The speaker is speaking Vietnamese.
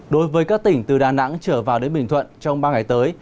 đối với các tỉnh từ đà nẵng trở vào đến bình thuận trong ba ngày tới